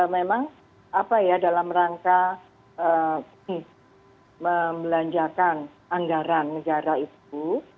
memang apa ya dalam rangka membelanjakan anggaran negara itu